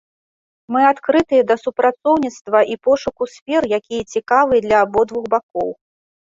Мы адкрытыя да супрацоўніцтва і пошуку сфер, якія цікавыя для абодвух бакоў.